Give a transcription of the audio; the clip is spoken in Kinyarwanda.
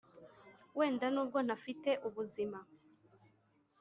Wenda nubwo ntafite ubuzima